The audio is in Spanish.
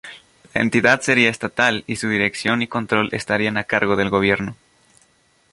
La entidad sería estatal y su dirección y control estarían a cargo del gobierno.